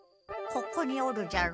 ここにおるじゃろ。